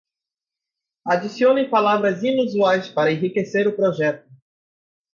Adicionem palavras inusuais para enriquecer o projeto